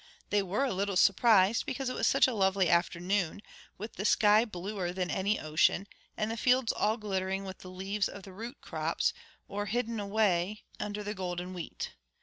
They were a little surprised, because it was such a lovely afternoon, with the sky bluer than any ocean, and the fields all glittering with the leaves of the root crops, or hidden away under the golden wheat.